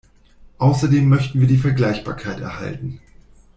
Außerdem möchten wir die Vergleichbarkeit erhalten.